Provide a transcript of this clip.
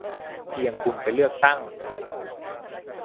เพียงคุณไปเลือกตั้ง